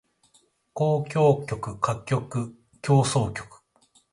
交響曲歌曲協奏曲